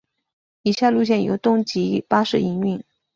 以下路线由东急巴士营运。